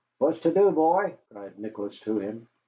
"What's to do, boy?" cried Nicholas to him.